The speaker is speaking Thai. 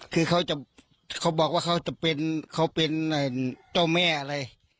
คือเขาจะเขาบอกว่าเขาจะเป็นเขาเป็นเจ้าแม่อะไร